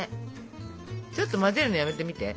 ちょっと混ぜるのやめてみて。